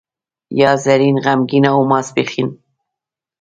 یا زرین، غمګین او ماپښین.